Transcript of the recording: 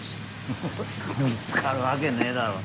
フフフ見つかるわけねえだろ。